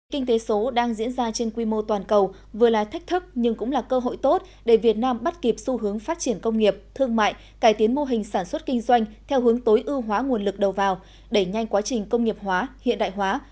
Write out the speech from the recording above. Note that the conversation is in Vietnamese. kinh tế số đang diễn ra trên quy mô toàn cầu vừa là thách thức nhưng cũng là cơ hội tốt để việt nam bắt kịp xu hướng phát triển công nghiệp thương mại cải tiến mô hình sản xuất kinh doanh theo hướng tối ưu hóa nguồn lực đầu vào đẩy nhanh quá trình công nghiệp hóa hiện đại hóa